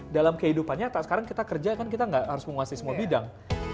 dalam kehidupan nyata sekarang kita kerja kan kita nggak harus menguasai semua bidang